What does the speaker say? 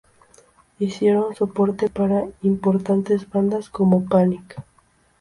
Hicieron soporte para importantes bandas como Panic!